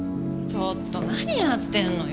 ちょっと何やってんのよ！